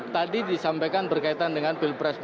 tadi disampaikan berkaitan dengan pilpres dua ribu